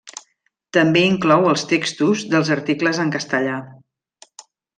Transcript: També inclou els textos dels articles en castellà.